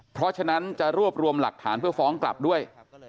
เพราะฉะนั้นจะรวบรวมหลักฐานเพื่อฟ้องกลับด้วย